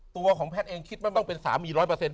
ตัวของแพทย์เองคิดว่าต้องเป็นสามีร้อยเปอร์เซ็นต์